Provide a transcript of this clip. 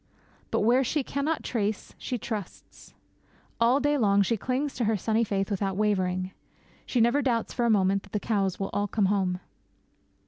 But where she cannot trace she trusts. And all day long she clings to her sunny faith without wavering. She never doubts for a moment that the cows will all come home.